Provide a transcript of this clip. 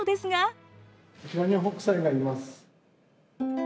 こちらに北斎がいます。